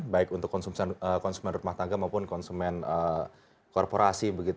baik untuk konsumen rut mata aga maupun konsumen korporasi